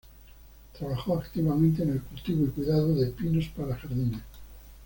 Trabajó activamente en el cultivo y cuidado de pinos para jardines.